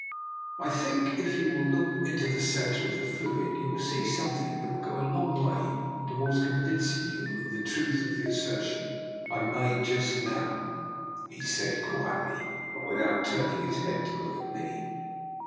" I think if you will look into the centre of the fluid you will see something that will go a long way towards convincing you of the truth of the assertion I made just now," he DR. NIKOLA'S EXPERIMENT. 55 said, quietly, but without turning his head to look at me.